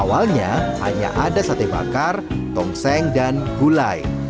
awalnya hanya ada sate bakar tongseng dan gulai